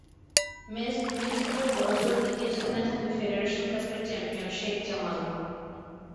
Match দুটি জিতলেও বড়জোর দ্বিতীয় স্থানে থাকবে ফেডারেশন কাপের চ্যাম্পিয়ন শেখ জামাল।